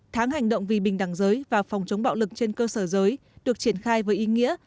tháng hành động vì bình đẳng giới và phòng chống bạo lực trên cơ sở giới được triển khai với ý nghĩa